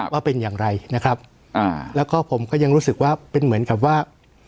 ว่าเป็นอย่างไรนะครับอ่าแล้วก็ผมก็ยังรู้สึกว่าเป็นเหมือนกับว่า